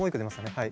はい。